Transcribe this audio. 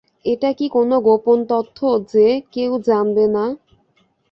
এটা কি কোনো গোপন তথ্য যে, কেউ জানবে না?